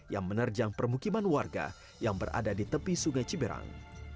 yang menerjang permukiman warga yang berada di tepi sungai ciberang